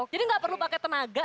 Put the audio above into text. jadi gak perlu pakai tenaga